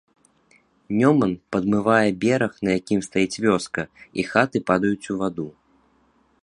Нёман падмывае бераг, на якім стаіць вёска, і хаты падаюць у ваду.